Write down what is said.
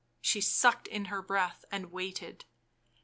She sucked in her breath and waited.